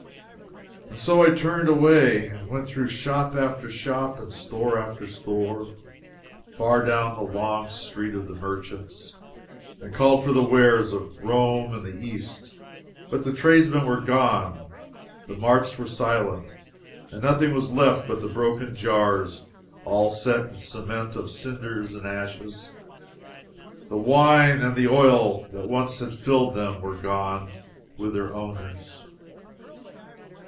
And so I turned away and went through shop after shop and store after store, far down the long street of the merchants, and called for the wares of Rome and the East, but the tradesmen were gone, the marts were silent, and nothing was left but the broken jars all set in cement of cinders and ashes: the wine and the oil that once had filled them were gone with their owners.